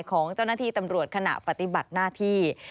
ของเจ้าหน้าที่ตำรวจขณะปฏิบัติหน้าที่